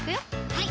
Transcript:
はい